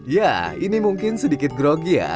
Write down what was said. ya ini mungkin sedikit grogi ya